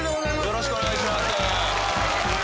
よろしくお願いします。